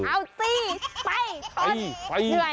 เอาสิไปชน